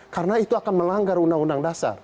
karena itu akan melanggar undang undang dasar